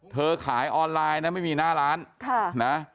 ขายออนไลน์นะไม่มีหน้าร้าน